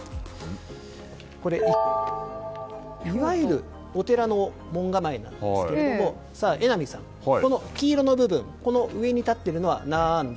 これ、いわゆるお寺の門構えなんですが榎並さん、黄色の部分上に立っているのは何だ？